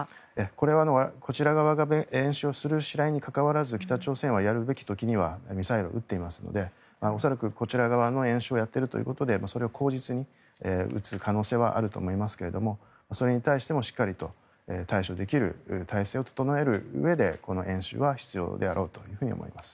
これはこちら側が演習をする、しないにかかわらず北朝鮮はやるべき時にはミサイルを撃っていますので恐らく、こちら側の演習をやっているということでそれを口実に撃つ可能性はあると思いますがそれに対してもしっかりと対処できる体制を整えるうえでこの演習は必要であろうと思います。